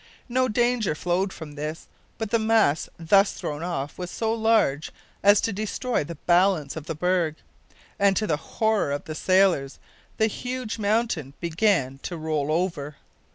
No danger flowed from this, but the mass thus thrown off was so large as to destroy the balance of the berg, and, to the horror of the sailors, the huge mountain began to roll over.